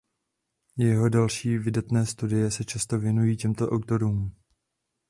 I jeho další vydané studie se často věnují těmto autorům.